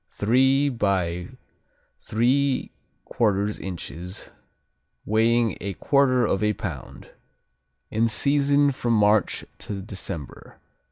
Three by 3/4 inches, weighing a quarter of a pound. In season from March to December.